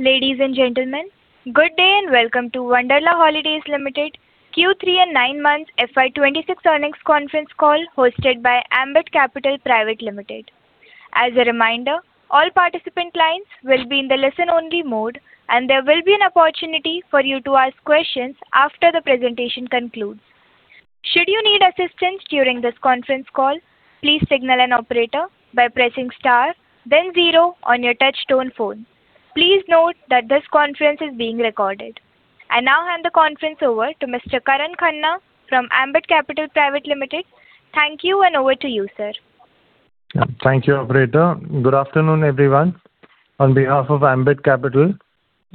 Ladies and gentlemen, good day and welcome to Wonderla Holidays Limited Q3 and nine months FY 2026 earnings conference call, hosted by Ambit Capital Private Limited. As a reminder, all participant lines will be in the listen-only mode, and there will be an opportunity for you to ask questions after the presentation concludes. Should you need assistance during this conference call, please signal an operator by pressing star then zero on your touchtone phone. Please note that this conference is being recorded. I now hand the conference over to Mr. Karan Khanna from Ambit Capital Private Limited. Thank you, and over to you, sir. Thank you, operator. Good afternoon, everyone. On behalf of Ambit Capital,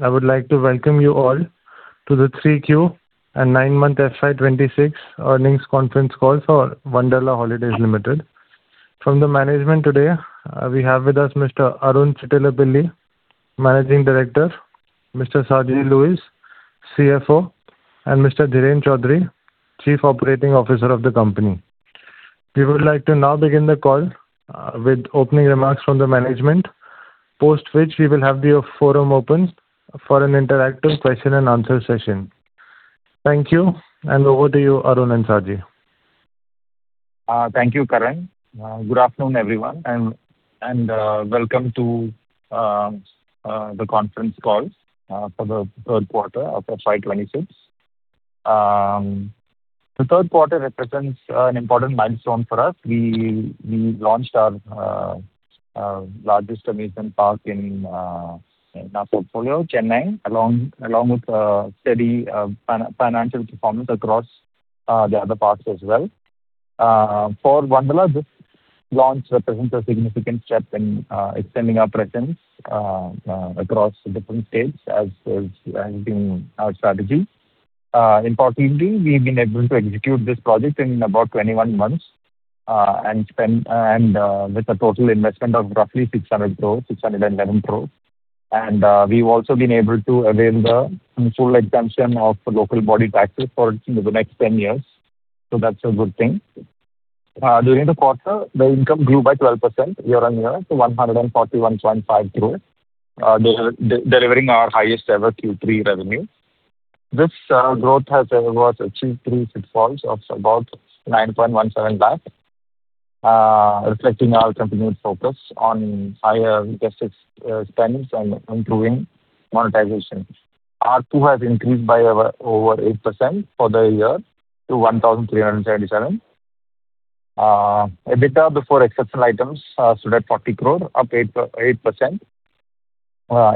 I would like to welcome you all to the 3Q and 9-month FY 2026 earnings conference call for Wonderla Holidays Limited. From the management today, we have with us Mr. Arun Chittilappilly, Managing Director, Mr. Saji Louiz, CFO, and Mr. Dheeran Choudhary, Chief Operating Officer of the company. We would like to now begin the call, with opening remarks from the management, post which we will have the forum open for an interactive question and answer session. Thank you, and over to you, Arun and Saji. Thank you, Karan. Good afternoon, everyone, and welcome to the conference call for the third quarter of FY 2026. The third quarter represents an important milestone for us. We launched our largest amusement park in our portfolio, Chennai, along with steady financial performance across the other parks as well. For Wonderla, this launch represents a significant step in extending our presence across different states as well as ending our strategy. Importantly, we've been able to execute this project in about 21 months, and with a total investment of roughly 600 crore, 611 crore. We've also been able to avail the full exemption of local body taxes for the next 10 years, so that's a good thing. During the quarter, the income grew by 12% year-on-year to 141.5 crore, delivering our highest ever Q3 revenue. This growth was achieved through footfalls of about 9.17 lakh, reflecting our continued focus on higher guest spends and improving monetization. ARPU has increased by over 8% for the year to 1,377. EBITDA before exceptional items stood at 40 crore, up 8%.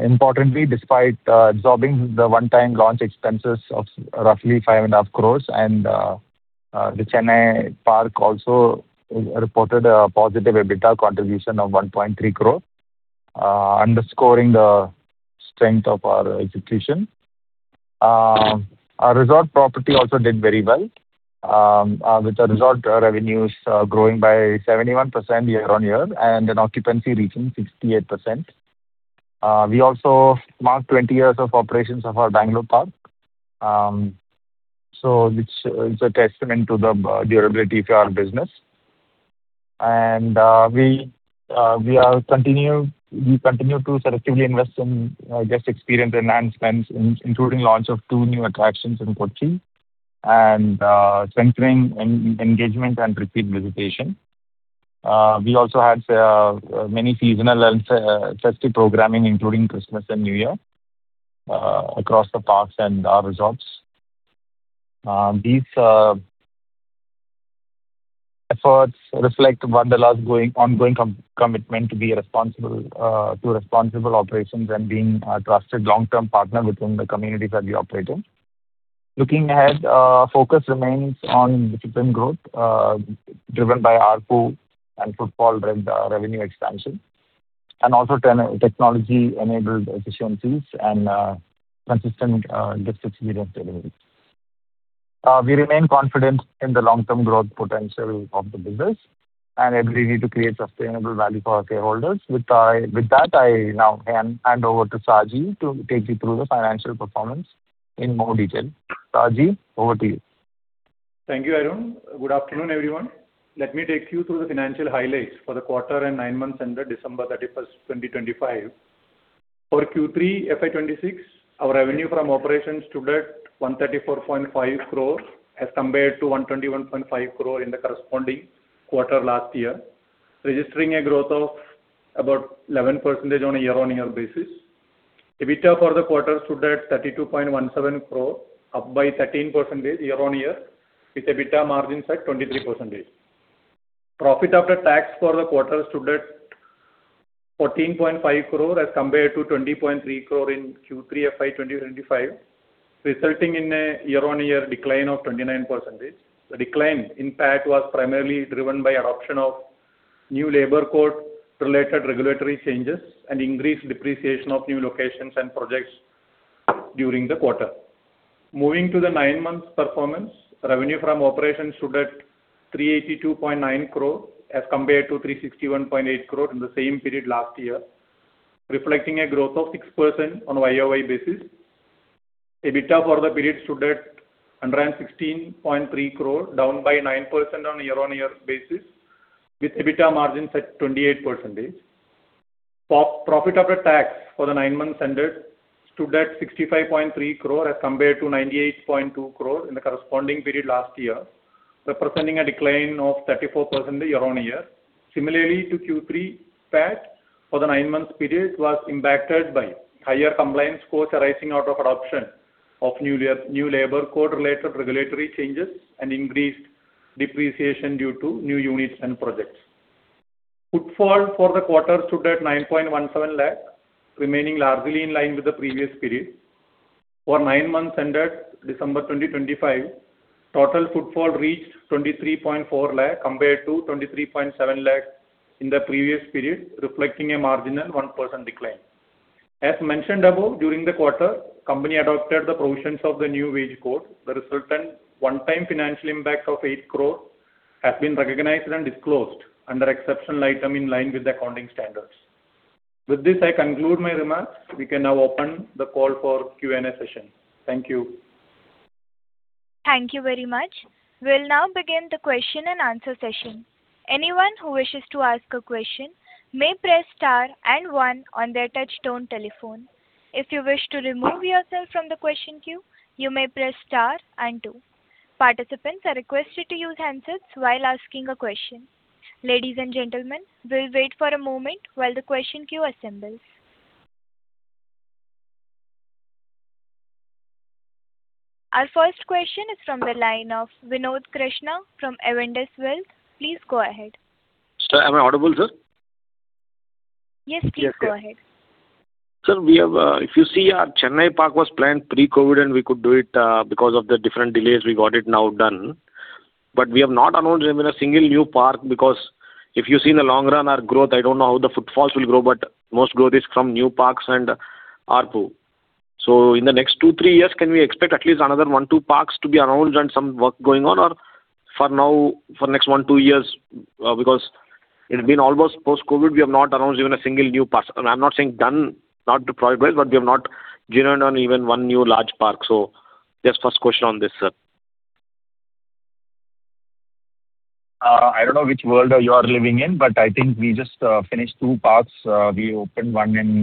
Importantly, despite absorbing the one-time launch expenses of roughly 5.5 crore and the Chennai park also reported a positive EBITDA contribution of 1.3 crore, underscoring the strength of our execution. Our resort property also did very well, with the resort revenues growing by 71% year-on-year and an occupancy reaching 68%. We also marked 20 years of operations of our Bengaluru park, so which is a testament to the durability of our business. We continue to selectively invest in guest experience enhancements, including launch of two new attractions in Kochi and centering engagement and repeat visitation. We also had many seasonal and festive programming, including Christmas and New Year, across the parks and resorts. These efforts reflect Wonderla's ongoing commitment to responsible operations and being a trusted long-term partner within the communities that we operate in. Looking ahead, focus remains on disciplined growth, driven by ARPU and footfall revenue expansion, and also technology-enabled efficiencies and consistent guest experience delivery. We remain confident in the long-term growth potential of the business and our ability to create sustainable value for our shareholders. With that, I now hand over to Saji to take you through the financial performance in more detail. Saji, over to you. Thank you, Arun. Good afternoon, everyone. Let me take you through the financial highlights for the quarter and nine months ended December 31, 2025. For Q3 FY 2026, our revenue from operations stood at 134.5 crore as compared to 121.5 crore in the corresponding quarter last year, registering a growth of about 11% on a year-on-year basis. EBITDA for the quarter stood at 32.17 crore, up by 13% year-on-year, with EBITDA margins at 23%. Profit after tax for the quarter stood at 14.5 crore as compared to 20.3 crore in Q3 FY 2025, resulting in a year-on-year decline of 29%. The decline, in fact, was primarily driven by adoption of new Labour Code-related regulatory changes and increased depreciation of new locations and projects during the quarter. Moving to the nine-month performance, revenue from operations stood at 382.9 crore as compared to 361.8 crore in the same period last year, reflecting a growth of 6% on a year-over-year basis. EBITDA for the period stood at 116.3 crore, down by 9% on year-on-year basis, with EBITDA margins at 28%. Profit after tax for the nine months ended stood at 65.3 crore, as compared to 98.2 crore in the corresponding period last year, representing a decline of 34% year-on-year. Similarly to Q3, PAT for the nine months period was impacted by higher compliance costs arising out of adoption of new labor code related regulatory changes and increased depreciation due to new units and projects. Footfall for the quarter stood at 9.17 lakh, remaining largely in line with the previous period. For nine months ended December 2025, total footfall reached 23.4 lakh, compared to 23.7 lakh in the previous period, reflecting a marginal 1% decline. As mentioned above, during the quarter, company adopted the provisions of the new wage code. The resultant one-time financial impact of 8 crore has been recognized and disclosed under exceptional item in line with the accounting standards. With this, I conclude my remarks. We can now open the call for Q&A session. Thank you. Thank you very much. We'll now begin the question and answer session. Anyone who wishes to ask a question may press star and one on their touchtone telephone. If you wish to remove yourself from the question queue, you may press star and two. Participants are requested to use handsets while asking a question. Ladies and gentlemen, we'll wait for a moment while the question queue assembles. Our first question is from the line of Vinod Krishna from Avendus Wealth. Please go ahead. Sir, am I audible, sir? Yes, please go ahead. Sir, we have, if you see our Chennai park was planned pre-COVID, and we could do it, because of the different delays, we got it now done. But we have not announced even a single new park, because if you see in the long run, our growth, I don't know how the footfalls will grow, but most growth is from new parks and ARPU. So in the next 2-3 years, can we expect at least another 1-2 parks to be announced and some work going on? Or for now, for next 1-2 years, because it's been almost post-COVID, we have not announced even a single new park. And I'm not saying done, not to progress, but we have not zeroed on even 1 new large park. So just first question on this, sir. I don't know which world you are living in, but I think we just finished two parks. We opened one in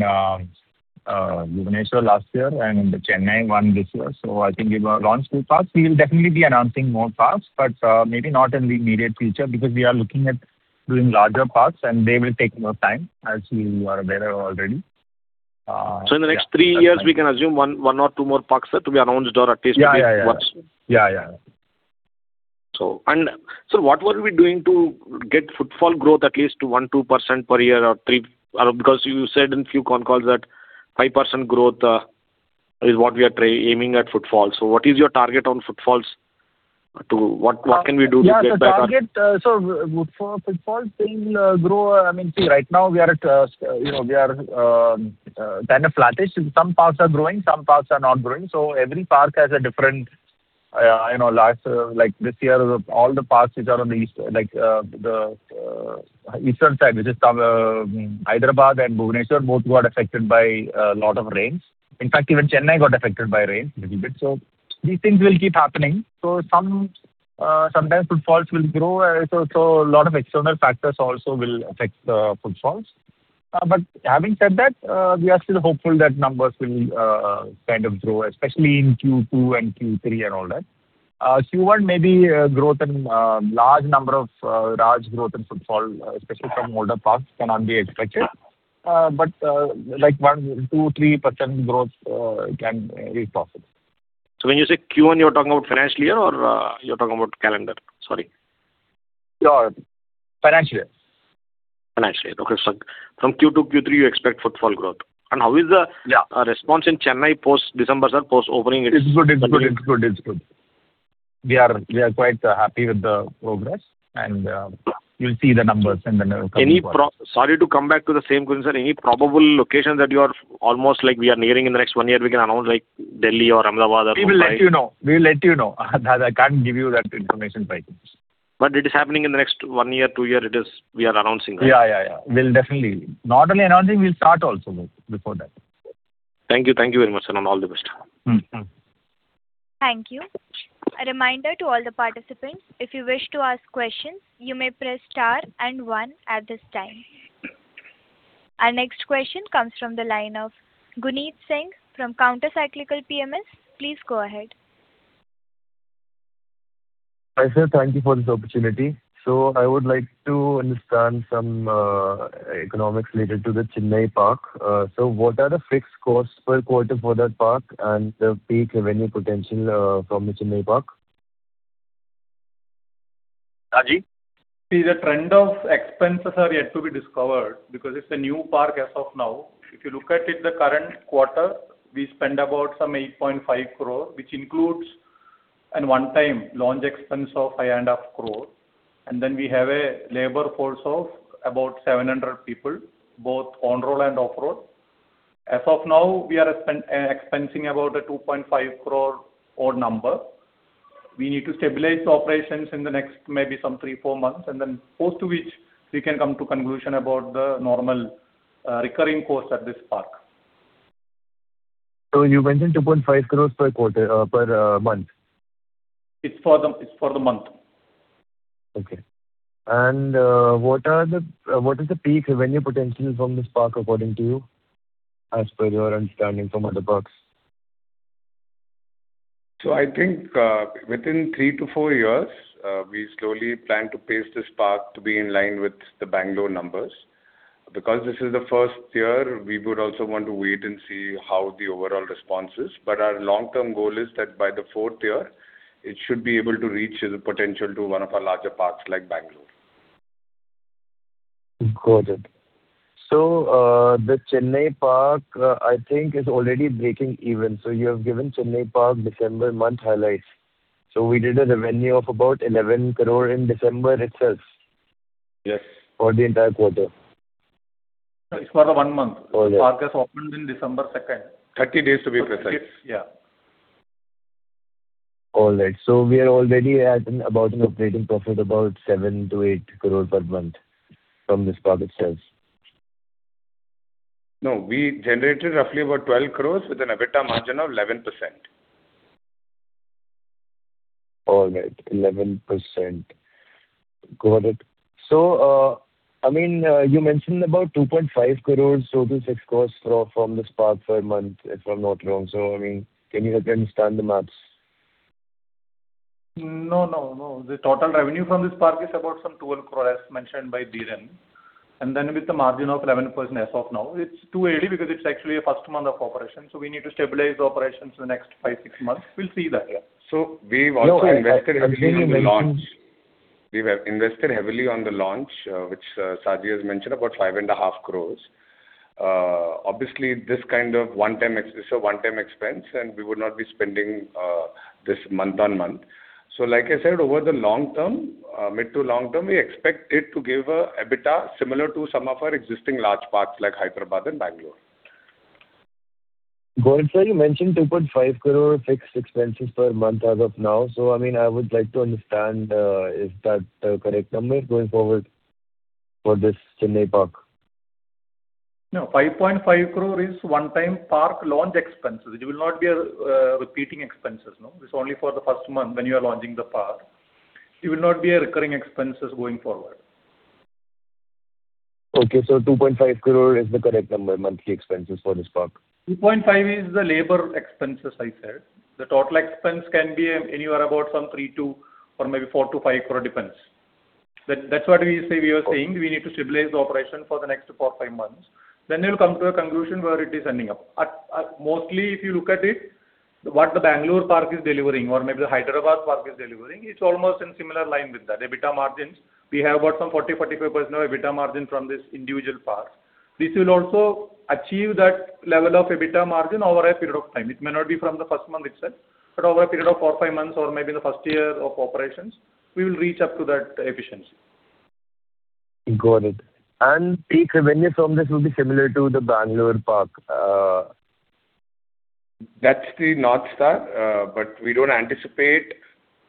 Bhubaneswar last year and in the Chennai one this year. So I think we've launched two parks. We will definitely be announcing more parks, but maybe not in the immediate future, because we are looking at doing larger parks, and they will take more time, as you are aware already. Yeah. So in the next three years, we can assume one, one or two more parks are to be announced or at least- Yeah, yeah, yeah. Yeah, yeah. Sir, what were we doing to get footfall growth at least to 1%-2% per year or 3%? Because you said in few con calls that 5% growth is what we are aiming at footfall. So what is your target on footfalls? To what, what can we do to get back on- Yeah, the target, so for footfalls will grow, I mean, see, right now we are at, you know, we are kind of flattish. Some parks are growing, some parks are not growing. So every park has a different, you know, last, like this year, all the parks which are on the east, like, the eastern side, which is, Hyderabad and Bhubaneswar, both got affected by a lot of rains. In fact, even Chennai got affected by rain little bit. So these things will keep happening. So sometimes footfalls will grow. So, a lot of external factors also will affect the footfalls. But having said that, we are still hopeful that numbers will kind of grow, especially in Q2 and Q3 and all that. Q1 maybe, growth and large number of large growth in footfall, especially from older parks, cannot be expected. But like 1%, 2%, 3% growth can be possible. So when you say Q1, you're talking about financial year or you're talking about calendar? Sorry. Yeah, financial year. Financial year. Okay, so from Q2, Q3, you expect footfall growth. And how is the- Yeah. Response in Chennai post-December, sir, post-opening it? It's good. It's good. It's good. It's good. We are, we are quite happy with the progress, and, you'll see the numbers in the coming- Sorry to come back to the same question, sir. Any probable locations that you are almost, like, we are nearing in the next one year, we can announce, like Delhi or Ahmedabad or Mumbai? We will let you know. We will let you know. I can't give you that information right now. But it is happening in the next 1 year, 2 year, it is, we are announcing, right? Yeah, yeah, yeah. We'll definitely not only announcing, we'll start also before that. Thank you. Thank you very much, sir, and all the best. Mm-hmm. Thank you. A reminder to all the participants, if you wish to ask questions, you may press Star and One at this time. Our next question comes from the line of Guneet Singh from Counter Cyclical PMS. Please go ahead. Hi, sir, thank you for this opportunity. So I would like to understand some economics related to the Chennai park. So what are the fixed costs per quarter for that park and the peak revenue potential from the Chennai park? Saji, see, the trend of expenses are yet to be discovered because it's a new park as of now. If you look at it, the current quarter, we spent about some 8.5 crore, which includes a one-time launch expense of eight and a half crore. And then we have a labor force of about 700 people, both on roll and off roll. As of now, we are expensing about a 2.5 crore odd number... we need to stabilize the operations in the next, maybe some 3-4 months, and then post to which we can come to conclusion about the normal, recurring costs at this park. So you mentioned 2.5 crore per quarter, per month? It's for the month. Okay. What is the peak revenue potential from this park according to you, as per your understanding from other parks? I think, within 3-4 years, we slowly plan to pace this park to be in line with the Bengaluru numbers. Because this is the first year, we would also want to wait and see how the overall response is. But our long-term goal is that by the fourth year, it should be able to reach the potential to one of our larger parks, like Bengaluru. Got it. The Chennai park, I think is already breaking even. You have given Chennai park December month highlights. We did a revenue of about 11 crore in December itself? Yes. For the entire quarter. It's for the one month. All right. Park was opened in December 2nd. 30 days, to be precise. Yeah. All right, so we are already at about an operating profit, about 7-8 crore per month from this park itself. No, we generated roughly about 12 crore with an EBITDA margin of 11%. All right, 11%. Got it. So, I mean, you mentioned about 2.5 crore, so the INR 6 crore from this park per month, if I'm not wrong. So, I mean, can you help me understand the math? No, no, no. The total revenue from this park is about some 12 crore, as mentioned by Dheeran. And then with a margin of 11% as of now, it's too early because it's actually the first month of operation, so we need to stabilize the operations in the next 5-6 months. We'll see that, yeah. So we've also invested heavily on the launch. We've invested heavily on the launch, which, Saji has mentioned, about 5.5 crores. Obviously, this kind of one-time expense, this is a one-time expense, and we would not be spending this month on month. So like I said, over the long term, mid to long term, we expect it to give an EBITDA similar to some of our existing large parks, like Hyderabad and Bangalore. Got it. So you mentioned 2.5 crore fixed expenses per month as of now. So, I mean, I would like to understand, is that the correct number going forward for this Chennai park? No, 5.5 crore is one-time park launch expenses. It will not be a repeating expenses, no. It's only for the first month when you are launching the park. It will not be a recurring expenses going forward. Okay, so 2.5 crore is the correct number, monthly expenses for this park. 2.5 is the labor expenses, I said. The total expense can be anywhere about from 3 crore to, or maybe 4 crore to 5 crore, depends. That, that's what we say we are saying, we need to stabilize the operation for the next 4-5 months. Then we'll come to a conclusion where it is ending up. Mostly, if you look at it, what the Bengaluru park is delivering, or maybe the Hyderabad park is delivering, it's almost in similar line with that. EBITDA margins, we have about some 40-45% EBITDA margin from this individual park. This will also achieve that level of EBITDA margin over a period of time. It may not be from the first month itself, but over a period of 4-5 months or maybe the first year of operations, we will reach up to that efficiency. Got it. And peak revenue from this will be similar to the Bangalore park? That's the North Star, but we don't anticipate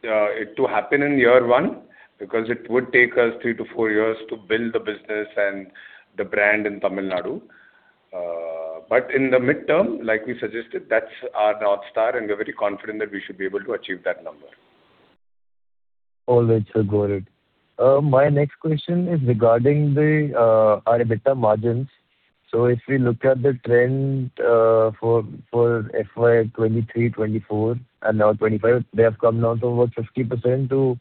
it to happen in year one, because it would take us 3-4 years to build the business and the brand in Tamil Nadu. But in the midterm, like we suggested, that's our North Star, and we're very confident that we should be able to achieve that number. All right, so got it. My next question is regarding our EBITDA margins. So if we look at the trend for FY 2023, 2024, and now 2025, they have come down to about 50%-30%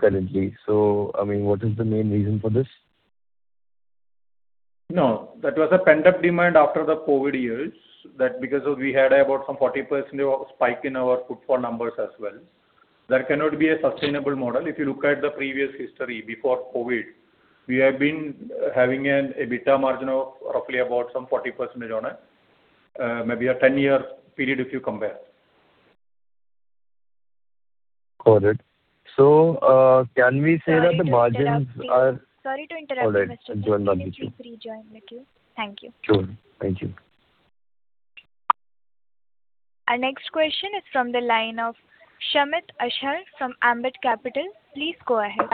currently. So, I mean, what is the main reason for this? No, that was a pent-up demand after the COVID years, that because of we had about some 40% spike in our footfall numbers as well. That cannot be a sustainable model. If you look at the previous history, before COVID, we have been having an EBITDA margin of roughly about some 40% on it, maybe a 10-year period, if you compare. Got it. So, can we say that the margins are? Sorry to interrupt you. Got it. Sorry to interrupt, Mr. Go on, thank you. Can you please join the queue? Thank you. Sure. Thank you. Our next question is from the line of Shamit Ashar from Ambit Capital. Please go ahead.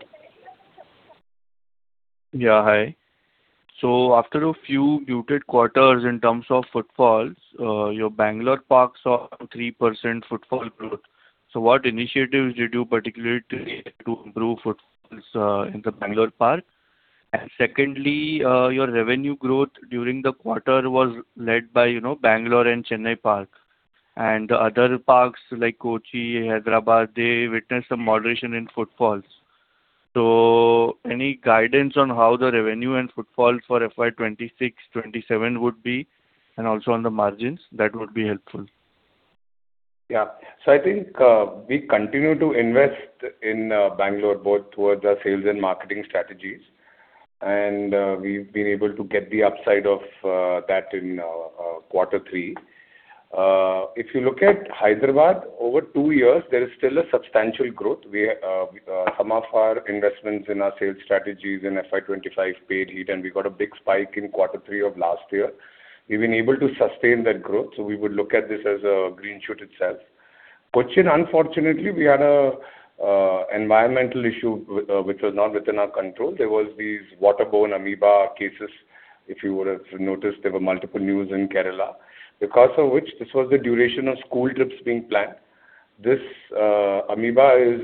Yeah, hi. So after a few muted quarters in terms of footfalls, your Bangalore park saw a 3% footfall growth. So what initiatives did you particularly take to improve footfalls in the Bangalore park? And secondly, your revenue growth during the quarter was led by, you know, Bangalore and Chennai park. And the other parks, like Kochi, Hyderabad, they witnessed some moderation in footfalls. So any guidance on how the revenue and footfall for FY 2026, 2027 would be, and also on the margins? That would be helpful. Yeah. So I think, we continue to invest in Bengaluru, both towards our sales and marketing strategies, and we've been able to get the upside of that in quarter three. If you look at Hyderabad, over two years, there is still a substantial growth. We, some of our investments in our sales strategies in FY 2025 paid off, and we got a big spike in quarter three of last year. We've been able to sustain that growth, so we would look at this as a green shoot itself.... Cochin, unfortunately, we had an environmental issue, which was not within our control. There was these waterborne amoeba cases. If you would have noticed, there were multiple news in Kerala, because of which this was the duration of school trips being planned. This amoeba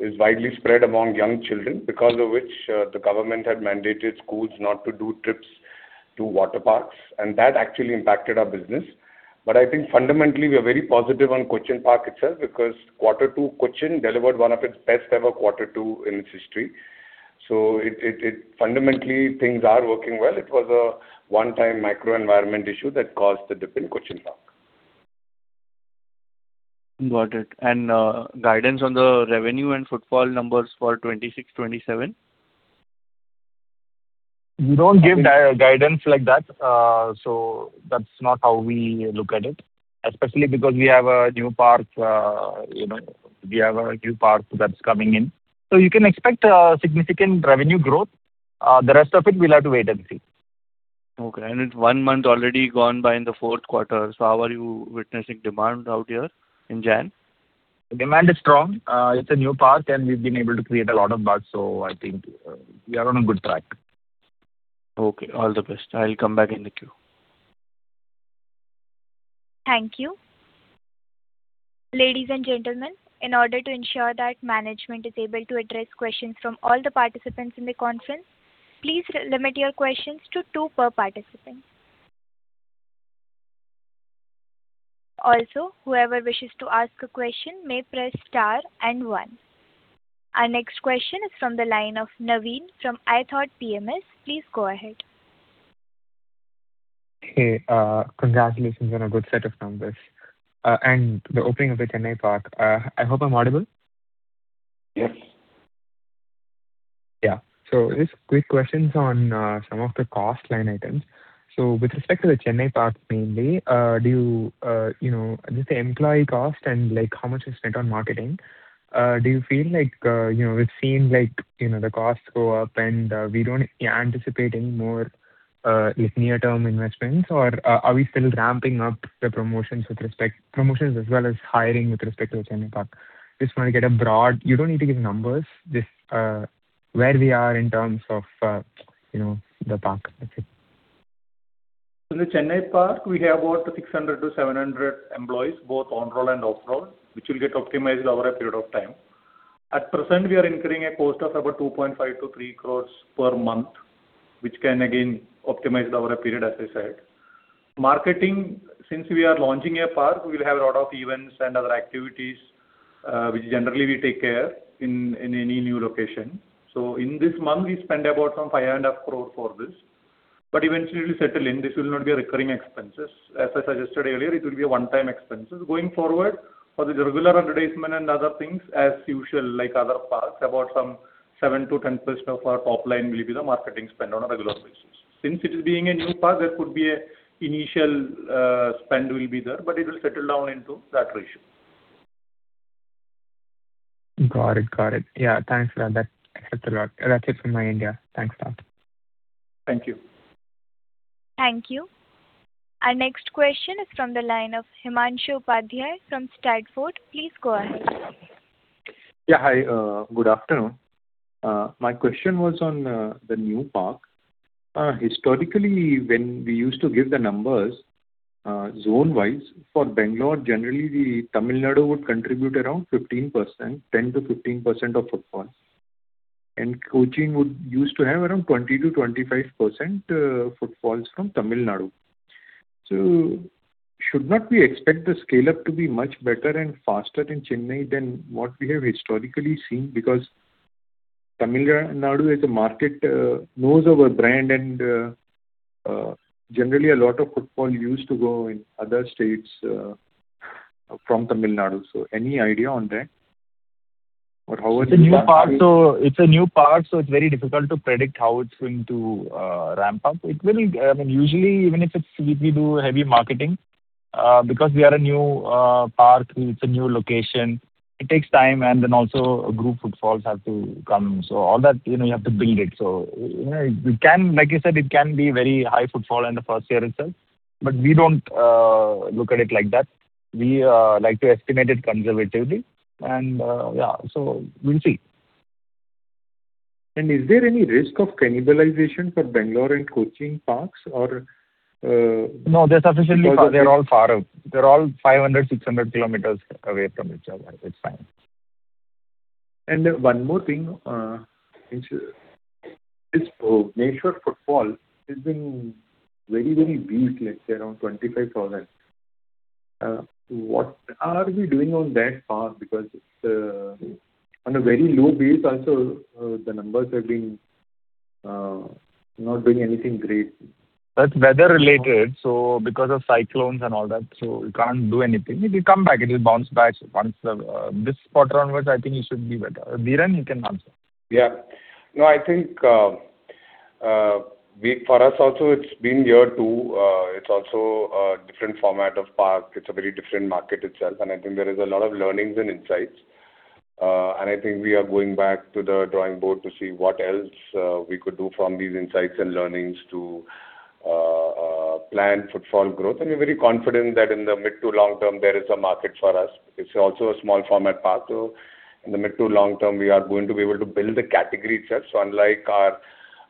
is widely spread among young children, because of which the government had mandated schools not to do trips to water parks, and that actually impacted our business. But I think fundamentally, we are very positive on Cochin Park itself, because quarter two, Cochin delivered one of its best ever quarter two in its history. So it fundamentally, things are working well. It was a one-time microenvironment issue that caused the dip in Cochin Park. Got it. And guidance on the revenue and footfall numbers for 26, 27? We don't give guidance like that. So that's not how we look at it, especially because we have a new park, you know, we have a new park that's coming in. So you can expect a significant revenue growth. The rest of it, we'll have to wait and see. Okay. It's one month already gone by in the fourth quarter, so how are you witnessing demand out here in Jan? The demand is strong. It's a new park, and we've been able to create a lot of buzz, so I think, we are on a good track. Okay, all the best. I'll come back in the queue. Thank you. Ladies and gentlemen, in order to ensure that management is able to address questions from all the participants in the conference, please limit your questions to two per participant. Also, whoever wishes to ask a question may press star and one. Our next question is from the line of Naveen, from iThought PMS. Please go ahead. Hey, congratulations on a good set of numbers, and the opening of the Chennai park. I hope I'm audible? Yes. Yeah. So just quick questions on some of the cost line items. So with respect to the Chennai park, mainly, do you know just the employee cost and, like, how much is spent on marketing? Do you feel like, you know, it seems like, you know, the costs go up and we don't anticipate any more, like, near-term investments, or are we still ramping up the promotions with respect to promotions as well as hiring with respect to the Chennai park? Just want to get a broad... You don't need to give numbers, just where we are in terms of, you know, the park. That's it. In the Chennai park, we have about 600-700 employees, both on role and off role, which will get optimized over a period of time. At present, we are incurring a cost of about 2.5-3 crores per month, which can again optimize over a period, as I said. Marketing, since we are launching a park, we will have a lot of events and other activities, which generally we take care in, in any new location. So in this month, we spend about some 5.5 crore for this, but eventually it'll settle in. This will not be a recurring expenses. As I suggested earlier, it will be a one-time expenses. Going forward, for the regular advertisement and other things, as usual, like other parks, about some 7%-10% of our top line will be the marketing spend on a regular basis. Since it is being a new park, there could be an initial spend that will be there, but it will settle down into that ratio. Got it. Got it. Yeah, thanks for that. That helped a lot. That's it from my end, yeah. Thanks a lot. Thank you. Thank you. Our next question is from the line of Himanshu Upadhyay from Steadfort. Please go ahead. Yeah, hi. Good afternoon. My question was on the new park. Historically, when we used to give the numbers zone-wise, for Bengaluru, generally, Tamil Nadu would contribute around 15%, 10%-15% of footfalls, and Kochi would used to have around 20%-25% footfalls from Tamil Nadu. So should not we expect the scale-up to be much better and faster in Chennai than what we have historically seen? Because Tamil Nadu, as a market, knows our brand and generally a lot of footfall used to go in other states from Tamil Nadu. So any idea on that? Or how would the- It's a new park, so it's a new park, so it's very difficult to predict how it's going to ramp up. It will, I mean, usually, even if it's we do heavy marketing, because we are a new park, it's a new location, it takes time, and then also group footfalls have to come. So all that, you know, you have to build it. So, it can, like I said, it can be very high footfall in the first year itself, but we don't look at it like that. We like to estimate it conservatively. And, yeah, so we'll see. Is there any risk of cannibalization for Bengaluru and Kochi parks or, No, they're sufficiently far. They're all far out. They're all 500, 600 kilometers away from each other. It's fine. One more thing, this Mysore footfall has been very, very weak, let's say around 25,000. What are we doing on that park? Because it's on a very low base also, the numbers have been not doing anything great. That's weather related, so because of cyclones and all that, so we can't do anything. It will come back, it will bounce back once the, This quarter onwards, I think it should be better. Dheeran, you can answer. Yeah. No, I think, for us also, it's been year two. It's also a different format of park. It's a very different market itself, and I think there is a lot of learnings and insights.... and I think we are going back to the drawing board to see what else, we could do from these insights and learnings to plan footfall growth. And we're very confident that in the mid to long term, there is a market for us. It's also a small format park, so in the mid to long term, we are going to be able to build a category itself. So unlike our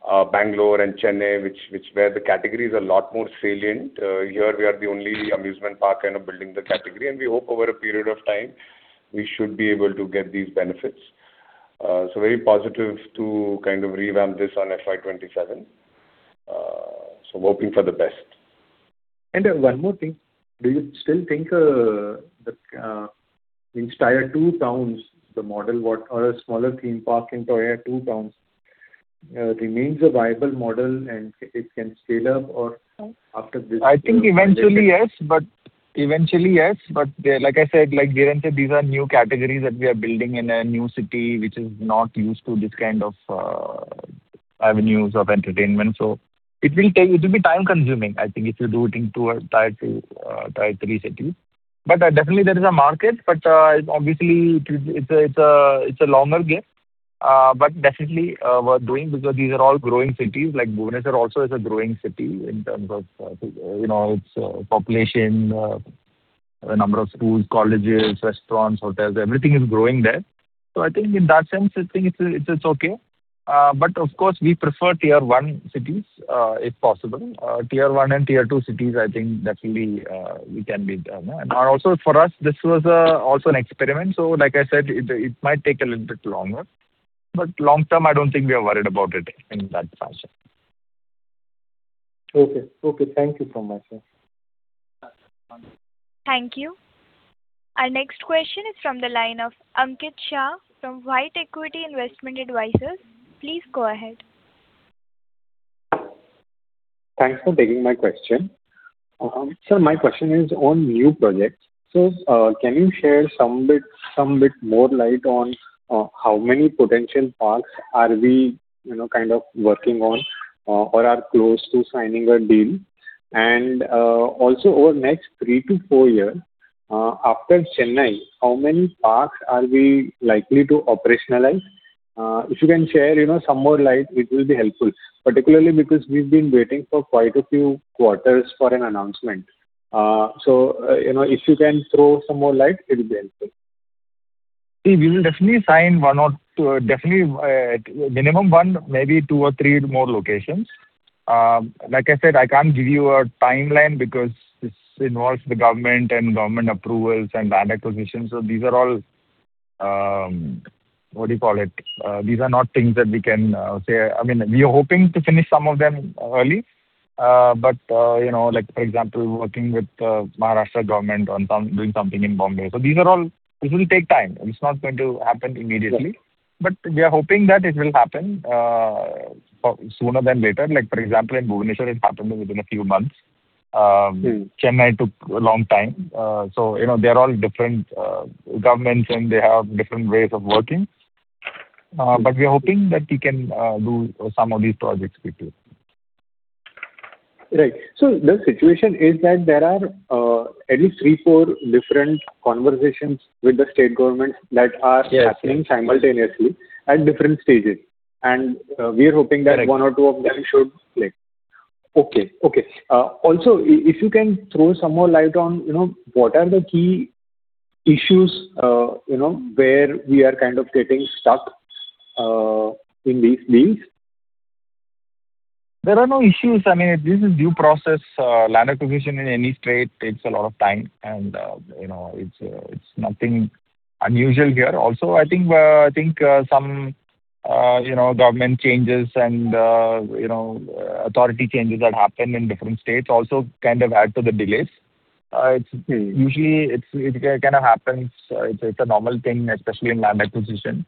Bangalore and Chennai, which where the category is a lot more salient, here we are the only amusement park kind of building the category, and we hope over a period of time we should be able to get these benefits. So very positive to kind of revamp this on FY 2027. So hoping for the best. And, one more thing. Do you still think that in tier two towns, the model or a smaller theme park in tier two towns remains a viable model, and it can scale up or after this- I think eventually, yes, but eventually, yes, but, like I said, like, these are new categories that we are building in a new city, which is not used to this kind of avenues of entertainment. So it will take. It will be time-consuming, I think, if you do it in two or tier two, tier three cities. But, definitely there is a market, but, obviously, it is, it's a, it's a, it's a longer game. But definitely, worth doing because these are all growing cities. Like Bhubaneswar also is a growing city in terms of, you know, its, population, the number of schools, colleges, restaurants, hotels, everything is growing there. So I think in that sense, I think it's, it's okay. But of course, we prefer tier one cities, if possible. Tier one and tier two cities, I think definitely, we can be done. And also for us, this was also an experiment, so like I said, it, it might take a little bit longer. But long term, I don't think we are worried about it in that fashion. Okay. Okay, thank you so much, sir. Thank you. Our next question is from the line of Ankit Shah from White Equity Investment Advisors. Please go ahead. Thanks for taking my question. Sir, my question is on new projects. So, can you share some bit more light on how many potential parks are we, you know, kind of working on or are close to signing a deal? And also over the next 3-4 years, after Chennai, how many parks are we likely to operationalize? If you can share, you know, some more light, it will be helpful, particularly because we've been waiting for quite a few quarters for an announcement. You know, if you can throw some more light, it will be helpful. We will definitely sign one or two... Definitely, minimum one, maybe two or three more locations. Like I said, I can't give you a timeline because this involves the government and government approvals and land acquisitions. So these are all, what do you call it? These are not things that we can, say. I mean, we are hoping to finish some of them early. But, you know, like, for example, working with, Maharashtra government on some, doing something in Bombay. So these are all-- this will take time. It's not going to happen immediately. Yes. But we are hoping that it will happen sooner than later. Like, for example, in Bhubaneswar, it happened within a few months. Mm. Chennai took a long time. So, you know, they're all different governments, and they have different ways of working. But we are hoping that we can do some of these projects quickly. Right. So the situation is that there are at least three, four different conversations with the state government that are- Yes. happening simultaneously at different stages. And, we are hoping that- Correct. -one or two of them should click. Okay, okay. Also, if you can throw some more light on, you know, what are the key issues, you know, where we are kind of getting stuck in these deals? There are no issues. I mean, this is due process. Land acquisition in any state takes a lot of time, and, you know, it's, it's nothing unusual here. Also, I think, I think, some, you know, government changes and, you know, authority changes that happen in different states also kind of add to the delays. It's usually, it kind of happens. It's a, it's a normal thing, especially in land acquisition.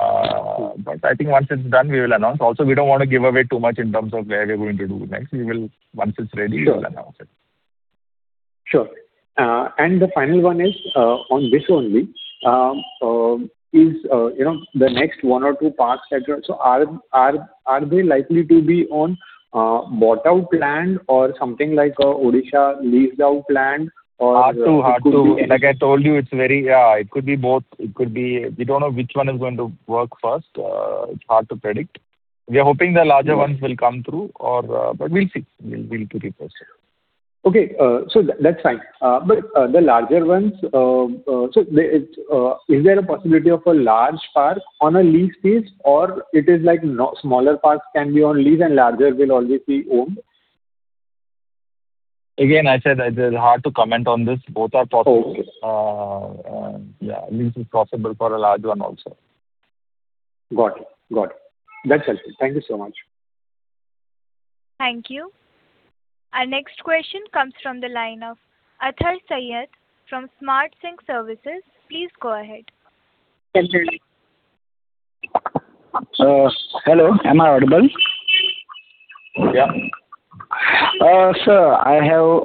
Mm. I think once it's done, we will announce. Also, we don't want to give away too much in terms of where we're going to do next. We will... Once it's ready- Sure. We'll announce it. Sure. And the final one is on this only. Is, you know, the next one or two parks that are... So are they likely to be on bought-out land or something like Odisha leased-out land or- Hard to, hard to- It could be. Like I told you, it's very, it could be both. It could be. We don't know which one is going to work first. It's hard to predict. We are hoping the larger ones- Sure. will come through or, but we'll see. We'll, we'll keep you posted. Okay, so that's fine. But, the larger ones, so the, is there a possibility of a large park on a lease basis, or it is like no smaller parks can be on lease and larger will obviously own? Again, I said that it's hard to comment on this. Both are possible. Okay. Yeah, this is possible for a large one also. Got it. Got it. That's helpful. Thank you so much. Thank you. Our next question comes from the line of Athar Syed from SmartSync Services. Please go ahead. Thank you. Hello, am I audible? Yeah. Sir, I have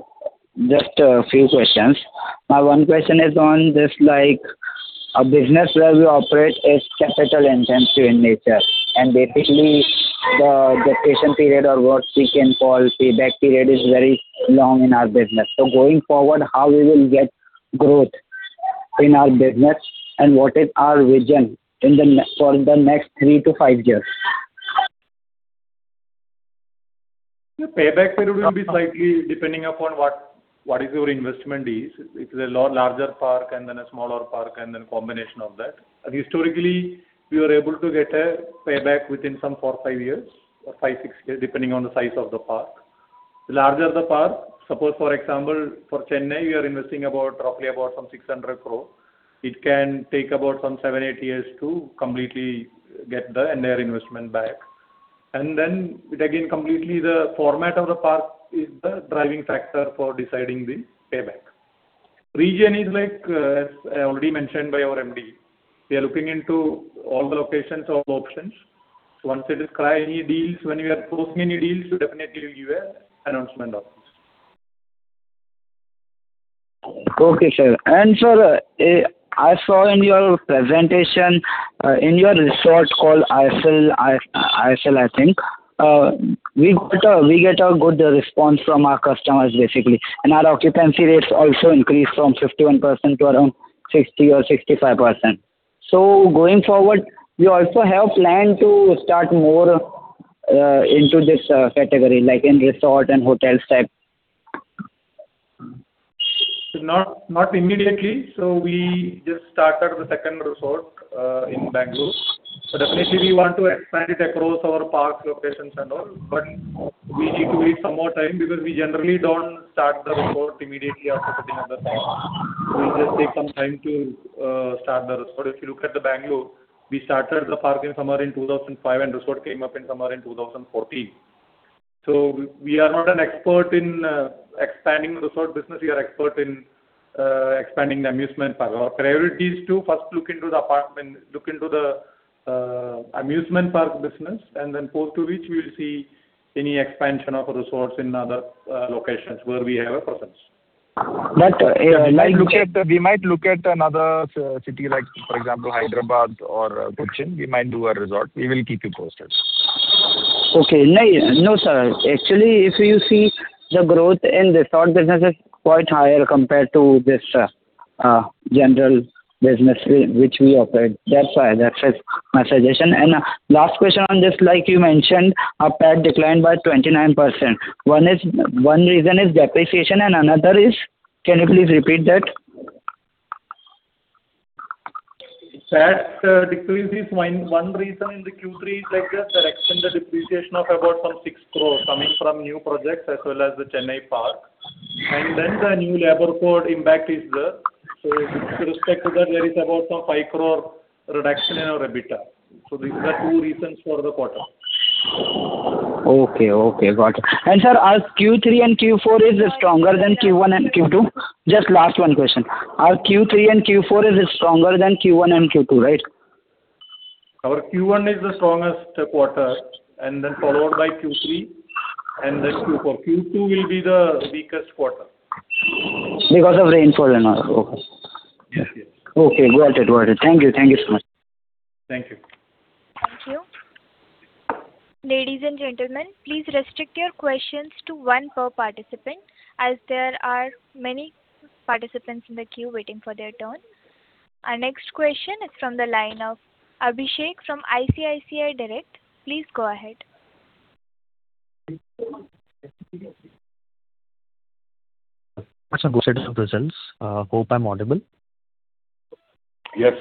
just a few questions. My one question is on just like a business where we operate is capital-intensive in nature, and basically the patient period, or what we can call payback period, is very long in our business. So going forward, how we will get growth in our business, and what is our vision in the ne—for the next three to five years? The payback period will be slightly depending upon what, what is your investment is. It's a larger park and then a smaller park, and then combination of that. Historically, we were able to get a payback within some 4-5 years or 5-6 years, depending on the size of the park. The larger the park, suppose, for example, for Chennai, we are investing about, roughly about some 600 crore. It can take about some 7-8 years to completely get the entire investment back. And then it again, completely the format of the park is the driving factor for deciding the payback. Region is like, as already mentioned by our MD, we are looking into all the locations of options. So once we describe any deals, when we are closing any deals, we definitely give you an announcement of this. Okay, sir. And sir, I saw in your presentation, in your resort called Isle, I think, we got a, we get a good response from our customers, basically. And our occupancy rates also increased from 51% to around 60% or 65%. So going forward, you also have planned to start more into this category, like in resort and hotel type. Not immediately. So we just started the second resort in Bengaluru. So definitely we want to expand it across our park locations and all, but we need to wait some more time because we generally don't start the resort immediately after putting up the park. We just take some time to start the resort. If you look at the Bengaluru, we started the park in summer in 2005, and resort came up in summer in 2014. So we are not an expert in expanding the resort business. We are expert in expanding the amusement park. Our priority is to first look into the amusement park business, and then post to which we will see any expansion of resorts in other locations where we have a presence. But, like- We might look at, we might look at another city, like, for example, Hyderabad or Cochin. We might do a resort. We will keep you posted. Okay. No, no, sir. Actually, if you see, the growth in resort business is quite higher compared to this, general business which we operate. That's why. That's just my suggestion. And last question on this, like you mentioned, our PAT declined by 29%. One reason is depreciation and another is? Can you please repeat that? PAT decrease is one reason in the Q3 is like just correction, the depreciation of about some 6 crore coming from new projects as well as the Chennai park. And then the new labor code impact is there. So with respect to that, there is about some 5 crore reduction in our EBITDA. So these are two reasons for the quarter. Okay, okay, got it. And, sir, our Q3 and Q4 is stronger than Q1 and Q2? Just last one question: Our Q3 and Q4 is stronger than Q1 and Q2, right? Our Q1 is the strongest quarter, and then followed by Q3 and then Q4. Q2 will be the weakest quarter. Because of rainfall and all. Okay. Yes. Okay, got it. Got it. Thank you. Thank you so much. Thank you. Thank you. Ladies and gentlemen, please restrict your questions to one per participant, as there are many participants in the queue waiting for their turn. Our next question is from the line of Abhishek from ICICI Direct. Please go ahead.... results. Hope I'm audible. Yes.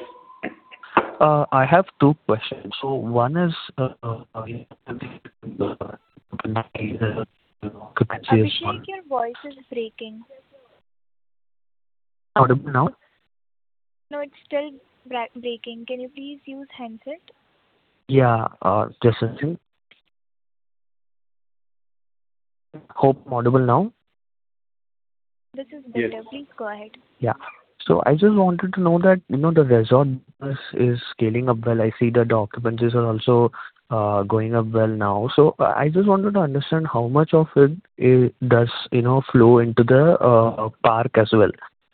I have two questions. So one is, Abhishek, your voice is breaking. Audible now? No, it's still breaking. Can you please use handset? Yeah, just a second. Hope audible now. This is better. Yes. Please go ahead. Yeah. So I just wanted to know that, you know, the resort business is scaling up well. I see that the occupancies are also going up well now. So I just wanted to understand how much of it does, you know, flow into the park as well?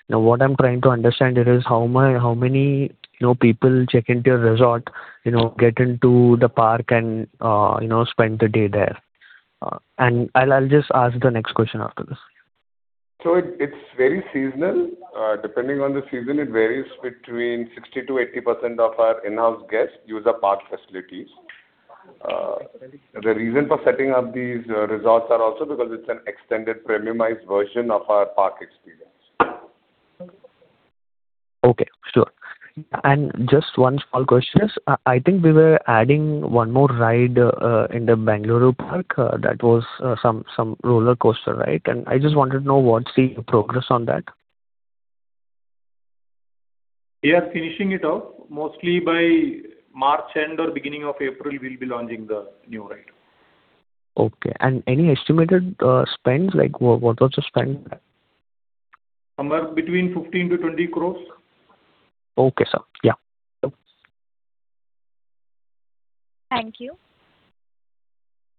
Now, what I'm trying to understand here is how am I-how many, you know, people check into your resort, you know, get into the park and, you know, spend the day there. And I'll just ask the next question after this. It's very seasonal. Depending on the season, it varies between 60%-80% of our in-house guests use the park facilities. The reason for setting up these resorts are also because it's an extended premiumized version of our park experience. Okay, sure. And just one small question is, I think we were adding one more ride, in the Bengaluru park. That was, some, some roller coaster, right? And I just wanted to know, what's the progress on that? We are finishing it off. Mostly by March end or beginning of April, we'll be launching the new ride. Okay. And any estimated spends, like what was the spend? Somewhere between 15 crore-20 crore. Okay, sir. Yeah. Thank you.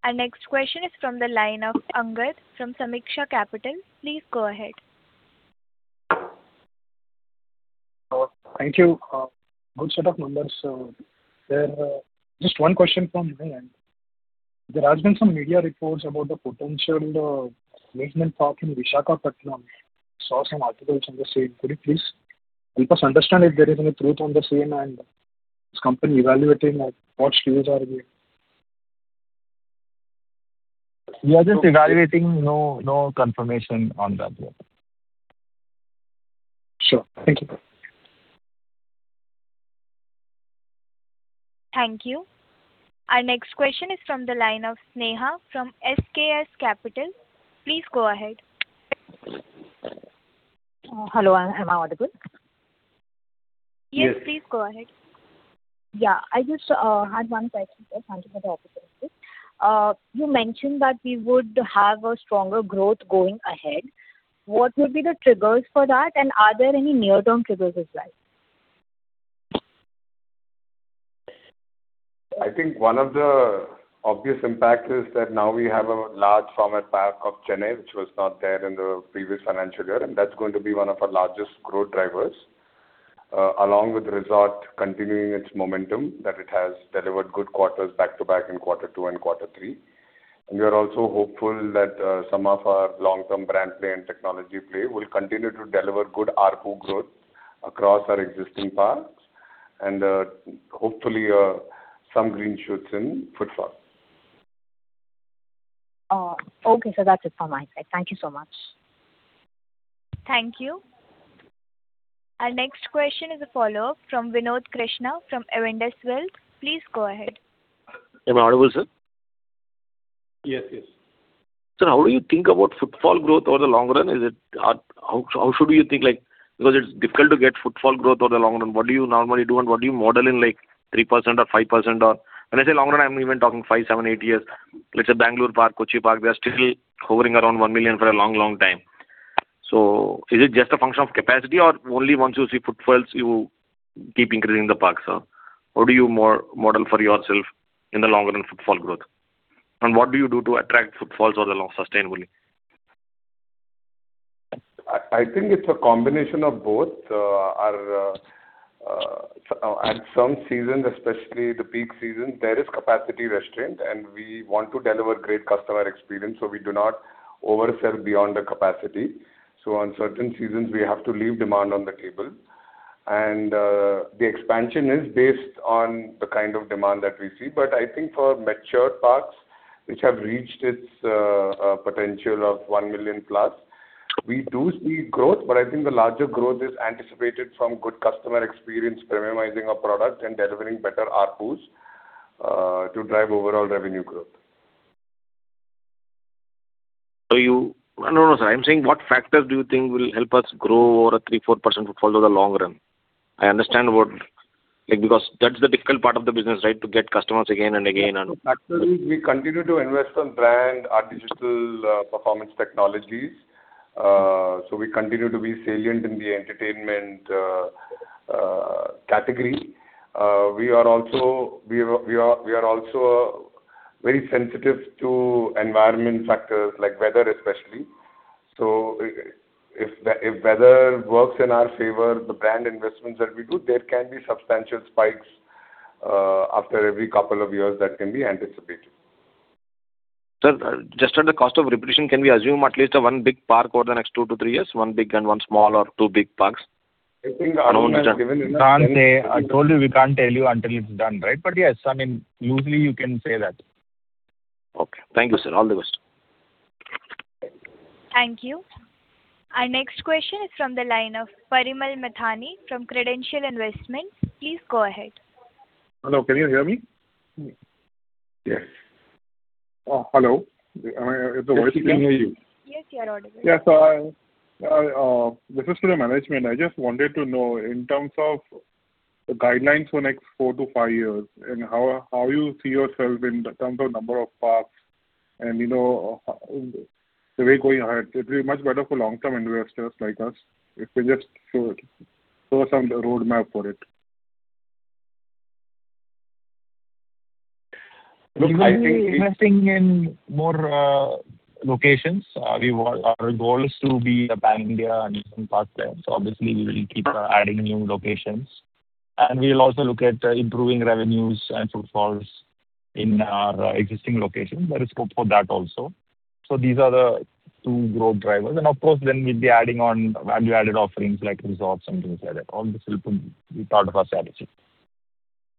Our next question is from the line of Angad from Samiksha Capital. Please go ahead.... Thank you. Good set of numbers. Just one question from my end. There has been some media reports about the potential amusement park in Visakhapatnam. Saw some articles on the same. Could you please help us understand if there is any truth on the same, and is company evaluating or what stage is there? We are just evaluating. No, no confirmation on that yet. Sure. Thank you. Thank you. Our next question is from the line of Sneha from SKS Capital. Please go ahead. Hello, am I audible? Yes, please go ahead. Yeah. I just had one question. Thank you for the opportunity. You mentioned that we would have a stronger growth going ahead. What will be the triggers for that, and are there any near-term triggers as well? I think one of the obvious impact is that now we have a large format park of Chennai, which was not there in the previous financial year, and that's going to be one of our largest growth drivers. Along with the resort continuing its momentum, that it has delivered good quarters back-to-back in quarter two and quarter three. We are also hopeful that some of our long-term brand play and technology play will continue to deliver good ARPU growth across our existing parks, and hopefully some green shoots in footfall. Okay, sir, that's it from my side. Thank you so much. Thank you. Our next question is a follow-up from Vinod Krishna from Avendus Wealth. Please go ahead. Am I audible, sir? Yes, yes. Sir, how do you think about footfall growth over the long run? Is it, how, how should we think, like, because it's difficult to get footfall growth over the long run? What do you normally do and what do you model in, like, 3% or 5% or... When I say long run, I'm even talking 5, 7, 8 years. Let's say Bangalore park, Kochi park, they are still hovering around 1 million for a long, long time. So is it just a function of capacity, or only once you see footfalls, you keep increasing the parks, sir? How do you model for yourself in the long run footfall growth? And what do you do to attract footfalls over the long sustainably? I think it's a combination of both. Or at some seasons, especially the peak season, there is capacity restraint, and we want to deliver great customer experience, so we do not oversell beyond the capacity. So on certain seasons, we have to leave demand on the table. And the expansion is based on the kind of demand that we see. But I think for mature parks, which have reached its potential of 1 million plus, we do see growth, but I think the larger growth is anticipated from good customer experience, premiumizing our product, and delivering better ARPUs to drive overall revenue growth. No, no, sir, I'm saying what factors do you think will help us grow over a 3%-4% footfall over the long run? I understand what-- Like, because that's the difficult part of the business, right? To get customers again and again, and- Actually, we continue to invest on brand, our digital, performance technologies. So we continue to be salient in the entertainment category. We are also very sensitive to environmental factors, like weather, especially. So if the weather works in our favor, the brand investments that we do, there can be substantial spikes after every couple of years that can be anticipated. Sir, just on the cost of repetition, can we assume at least 1 big park over the next 2-3 years? 1 big and one small or two big parks. I think- Can't say. I told you we can't tell you until it's done, right? But yes, I mean, usually you can say that. Okay. Thank you, sir. All the best. Thank you. Our next question is from the line of Parimal Methani from Credential Investments. Please go ahead. Hello, can you hear me? Yes. Hello. The voice- We can hear you. Yes, you are audible. Yes. So, this is to the management. I just wanted to know in terms of the guidelines for the next 4-5 years, and how you see yourself in terms of number of parks and, you know, the way going ahead, it'll be much better for long-term investors like us, if you just show us on the roadmap for it. Look, I think- Investing in more locations. We want... Our goal is to be a pan-India and park there. So obviously, we will keep adding new locations. And we will also look at improving revenues and footfalls in our existing locations. There is scope for that also. So these are the two growth drivers. And of course, then we'll be adding on value-added offerings like resorts and things like that. All this will be part of our strategy.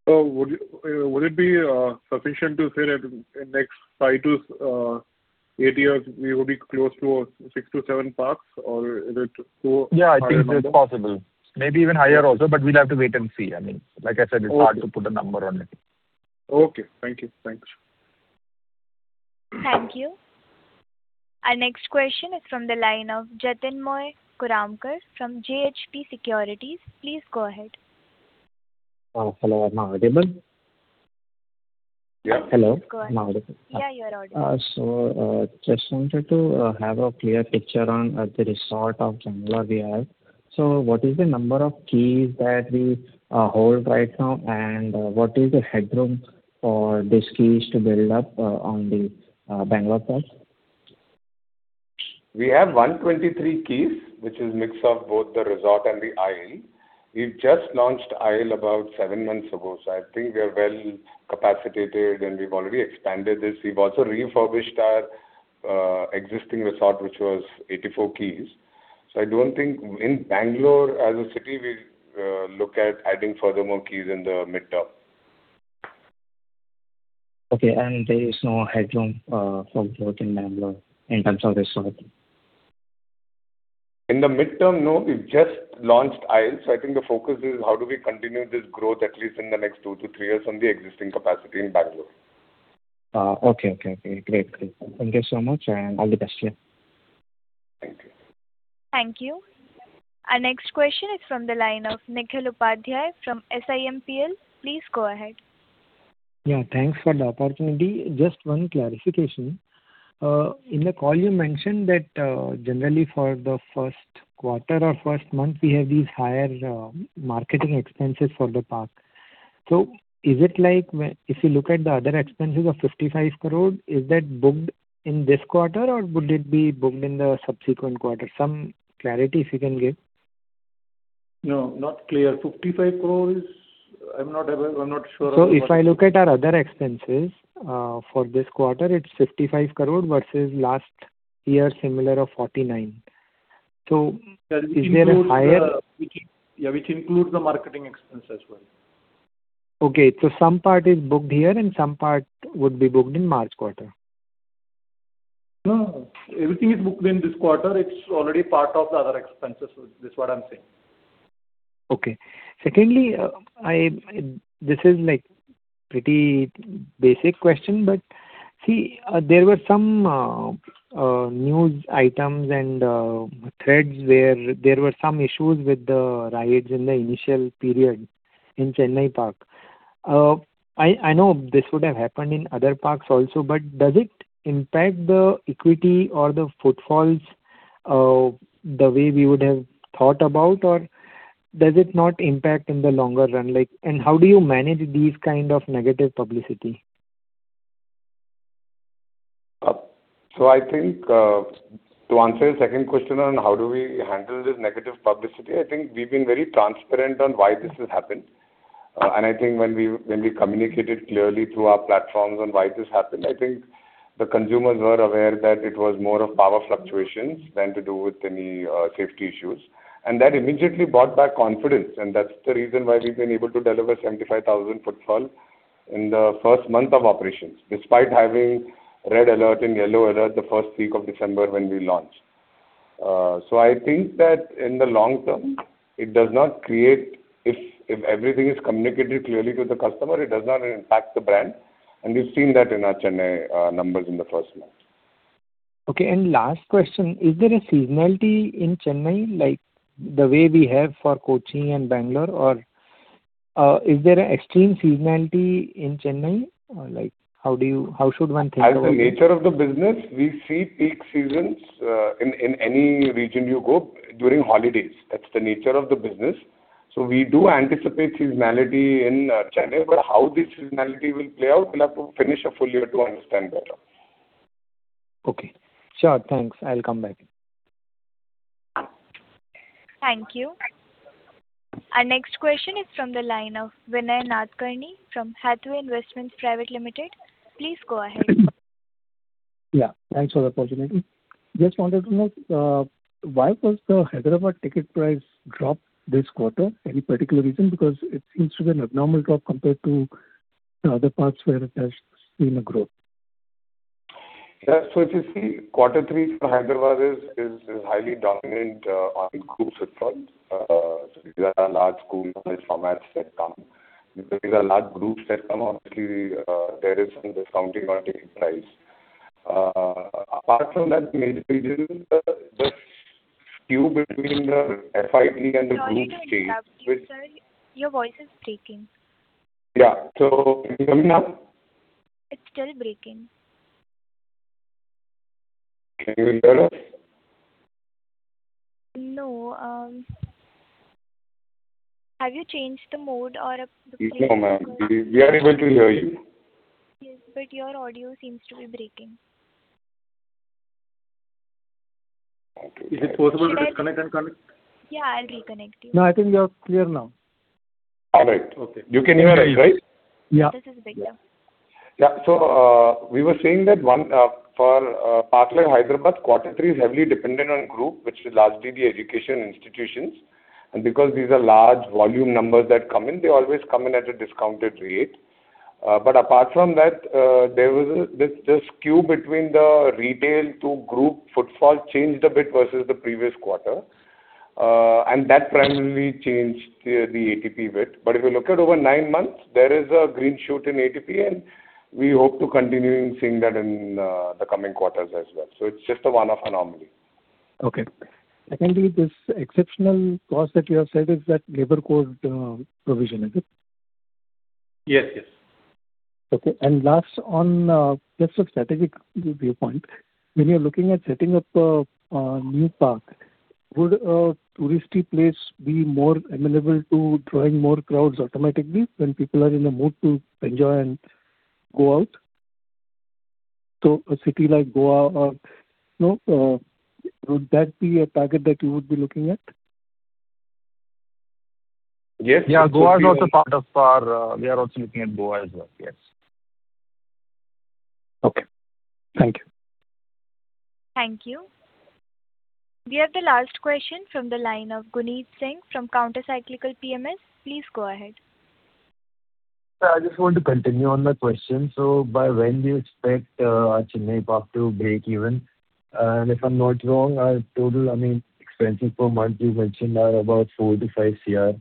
Would it be sufficient to say that in next 5-8 years, we will be close to 6-7 parks, or is it to higher number? Yeah, I think it is possible. Maybe even higher also, but we'll have to wait and see. I mean, like I said, it's hard to put a number on it. Okay. Thank you. Thanks. Thank you. Our next question is from the line of Jatinmoy Karmakar from JHP Securities. Please go ahead. Hello, am I audible? Yes. Hello. Go ahead. Am I audible? Yeah, you are audible. Just wanted to have a clear picture on the resort of Jungleview. What is the number of keys that we hold right now, and what is the headroom for these keys to build up on the Bangalore park? We have 123 keys, which is mix of both the resort and the Isle. We've just launched Isle about seven months ago, so I think we are well capacitated, and we've already expanded this. We've also refurbished our existing resort, which was 84 keys. So I don't think in Bengaluru as a city, we look at adding further more keys in the midterm. Okay, and there is no headroom for growth in Bengaluru in terms of resort? In the midterm, no. We've just launched The Isle, so I think the focus is how do we continue this growth at least in the next 2-3 years on the existing capacity in Bengaluru. Ah, okay, okay, okay. Great, great. Thank you so much, and all the best to you. Thank you. Thank you. Our next question is from the line of Nikhil Upadhyay from SIMPL. Please go ahead. Yeah, thanks for the opportunity. Just one clarification. In the call you mentioned that, generally for the first quarter or first month, we have these higher marketing expenses for the park. So is it like when - if you look at the other expenses of 55 crore, is that booked in this quarter, or would it be booked in the subsequent quarter? Some clarity if you can give. No, not clear. 55 crore, I'm not aware, I'm not sure of the- So if I look at our other expenses for this quarter, it's 55 crore versus last year, similar of 49. So is there a higher- Yeah, which includes the marketing expense as well. Okay, so some part is booked here, and some part would be booked in March quarter? No, everything is booked in this quarter. It's already part of the other expenses. So that's what I'm saying. Okay. Secondly, this is like a pretty basic question, but see, there were some news items and threads where there were some issues with the rides in the initial period in Chennai park. I know this would have happened in other parks also, but does it impact the equity or the footfalls the way we would have thought about, or does it not impact in the longer run? Like, and how do you manage these kind of negative publicity? So I think, to answer your second question on how do we handle this negative publicity, I think we've been very transparent on why this has happened. And I think when we, when we communicated clearly through our platforms on why this happened, I think the consumers were aware that it was more of power fluctuations than to do with any, safety issues. And that immediately brought back confidence, and that's the reason why we've been able to deliver 75,000 footfall in the first month of operations, despite having red alert and yellow alert the first week of December when we launched. So I think that in the long term, it does not create... If, if everything is communicated clearly to the customer, it does not impact the brand, and we've seen that in our Chennai, numbers in the first month. Okay, and last question: Is there a seasonality in Chennai, like the way we have for Kochi and Bangalore? Or, is there an extreme seasonality in Chennai? Like, how do you, how should one think about it? As the nature of the business, we see peak seasons in any region you go during holidays. That's the nature of the business. So we do anticipate seasonality in Chennai, but how the seasonality will play out, we'll have to finish a full year to understand better. Okay. Sure, thanks. I'll come back. Thank you. Our next question is from the line of Vinay Nadkarni from Hathway Investments Private Limited. Please go ahead. Yeah, thanks for the opportunity. Just wanted to know why was the Hyderabad ticket price dropped this quarter? Any particular reason? Because it seems to be an abnormal drop compared to the other parts where it has been a growth. Yeah. So if you see, quarter three for Hyderabad is highly dominant on groups front. So these are large school size formats that come. These are large groups that come, obviously, there is some discounting on ticket price. Apart from that, majorly, the skew between the FIT and the group- Sorry to interrupt you, sir. Your voice is breaking. Yeah. So it's coming now? It's still breaking. Can you hear us? No, have you changed the mode or the- No, ma'am, we are able to hear you. Yes, but your audio seems to be breaking. Is it possible to disconnect and connect? Yeah, I'll reconnect you. No, I think you are clear now. All right. Okay. You can hear me right? Yeah. This is better. Yeah. So, we were saying that, one, for park like Hyderabad, quarter three is heavily dependent on group, which is largely the education institutions. And because these are large volume numbers that come in, they always come in at a discounted rate. But apart from that, there was this skew between the retail to group footfall changed a bit versus the previous quarter. And that primarily changed the ARPU bit. But if you look at over nine months, there is a green shoot in ARPU, and we hope to continue seeing that in the coming quarters as well. So it's just a one-off anomaly. Okay. Secondly, this exceptional cost that you have said, is that Labor Code provision, is it? Yes, yes. Okay. And last, on just a strategic viewpoint. When you're looking at setting up a new park, would a touristy place be more amenable to drawing more crowds automatically when people are in the mood to enjoy and go out to a city like Goa or, you know, would that be a target that you would be looking at? Yes. Yeah, Goa is also part of our, we are also looking at Goa as well, yes. Okay. Thank you. Thank you. We have the last question from the line of Guneet Singh from Counter Cyclical PMS. Please go ahead. I just want to continue on the question. So by when do you expect a Chennai park to break even? And if I'm not wrong, our total, I mean, expenses per month, you mentioned are about 4 crore-5 crore.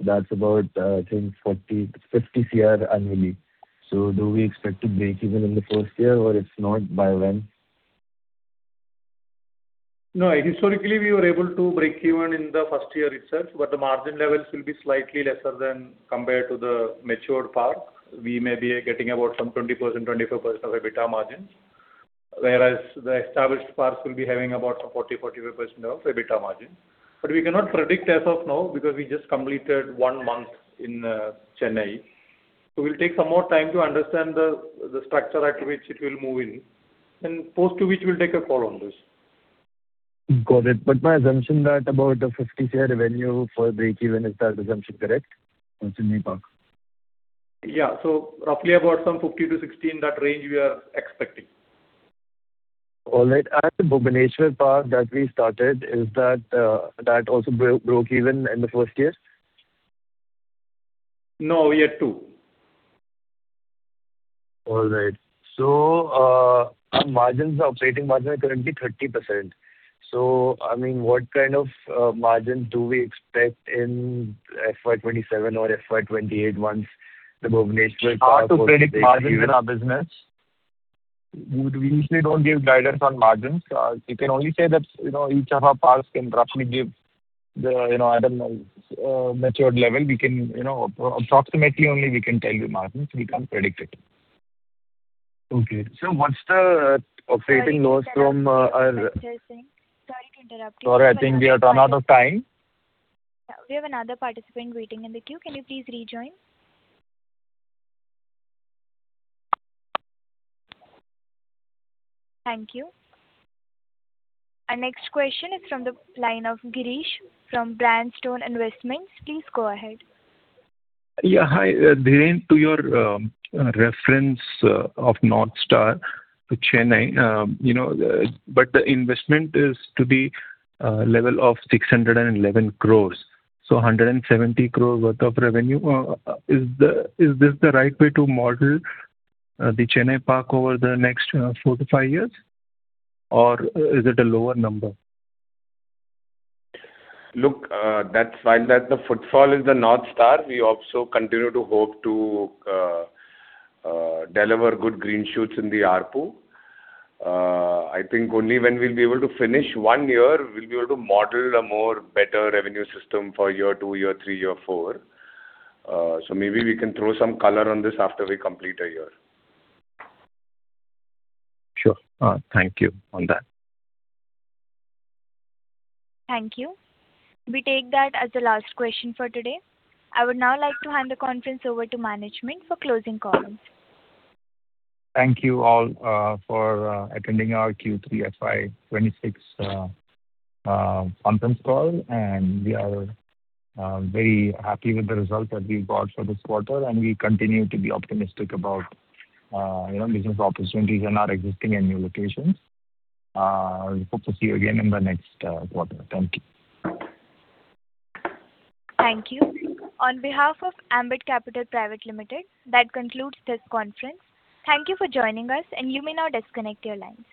That's about, I think 40 crore-50 crore annually. So do we expect to break even in the first year, or if not, by when? No, historically, we were able to break even in the first year itself, but the margin levels will be slightly lesser than compared to the matured parks. We may be getting about some 20%, 25% of EBITDA margins, whereas the established parks will be having about 40, 45% of EBITDA margin. But we cannot predict as of now, because we just completed one month in Chennai. So we'll take some more time to understand the, the structure at which it will move in, and post to which we'll take a call on this. Got it. But my assumption that about the 50 crore revenue for break even, is that assumption correct for Chennai park? Yeah. So roughly about some 50-60, in that range we are expecting. All right. At the Bhubaneswar park that we started, is that also broke even in the first year? No, year 2. All right. So, margins, operating margins are currently 30%. So, I mean, what kind of margin do we expect in FY 2027 or FY 2028 once the Bhubaneswar park- It's hard to predict margins in our business. We, we usually don't give guidance on margins. We can only say that, you know, each of our parks can roughly give the, you know, I don't know, matured level. We can, you know, approximately only we can tell you margins. We can't predict it. Okay. So what's the operating loss from our- Sorry to interrupt you. Sorry, I think we have run out of time. We have another participant waiting in the queue. Can you please rejoin? Thank you. Our next question is from the line of Girish from Brandstone Investments. Please go ahead. Yeah, hi. Dheeran, to your reference of North Star to Chennai, you know, but the investment is to the level of 611 crore. So 170 crore worth of revenue. Is this the right way to model the Chennai park over the next four to five years, or is it a lower number? Look, that's why that the footfall is the North Star. We also continue to hope to deliver good green shoots in the ARPU. I think only when we'll be able to finish one year, we'll be able to model a more better revenue system for year two, year three, year four. So maybe we can throw some color on this after we complete a year. Sure. Thank you on that. Thank you. We take that as the last question for today. I would now like to hand the conference over to management for closing comments. Thank you all for attending our Q3 FY 2026 conference call. We are very happy with the results that we got for this quarter, and we continue to be optimistic about, you know, business opportunities in our existing and new locations. We hope to see you again in the next quarter. Thank you. Thank you. On behalf of Ambit Capital Private Limited, that concludes this conference. Thank you for joining us, and you may now disconnect your lines.